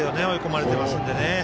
追い込まれていますのでね。